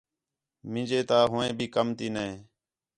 مینجے تا ہوئیں بھی کم تی نے